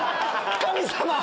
神様！